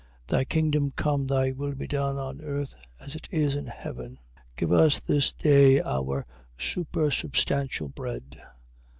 6:10. Thy kingdom come. Thy will be done on earth as it is in heaven. 6:11. Give us this day our supersubstantial bread.